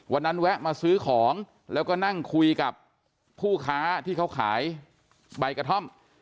แวะมาซื้อของแล้วก็นั่งคุยกับผู้ค้าที่เขาขายใบกระท่อม